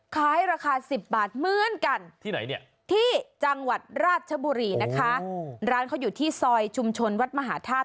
ขายราคา๑๐บาทเหมือนกันที่ไหนเนี่ยที่จังหวัดราชบุรีนะคะร้านเขาอยู่ที่ซอยชุมชนวัดมหาธาตุ